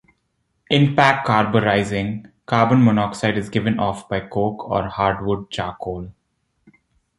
In pack carburizing, carbon monoxide is given off by coke or hardwood charcoal.